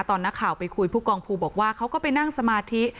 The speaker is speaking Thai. ตอนนักข่าวไปคุยผู้กองภูบอกว่าเขาก็ไปนั่งสมาธิ